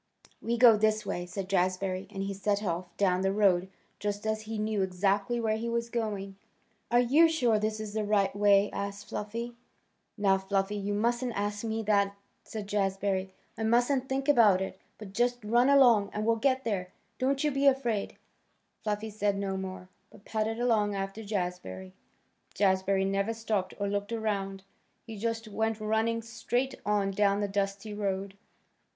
"We go this way," said Jazbury, and he set off down the road just as if he knew exactly where he was going. "Are you sure this is the right way?" asked Fluffy. "Now, Fluffy, you mustn't ask me that," said Jazbury. "I mustn't think about it, but just run along, and we'll get there. Don't you be afraid." Fluffy said no more, but padded along after Jazbury. Jazbury never stopped or looked around. He just went running straight on down the dusty road.